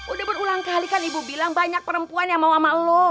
udah berulang kali kan ibu bilang banyak perempuan yang mau sama lo